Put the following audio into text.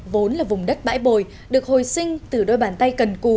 vốn là vùng đất bãi bồi được hồi sinh từ đôi bàn tay cần cù